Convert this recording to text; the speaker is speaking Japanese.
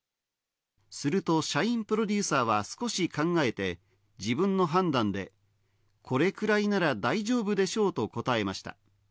すると社員プロデューサーは少し考えて、自分の判断で、これくらいなら大丈夫でしょうと答えました。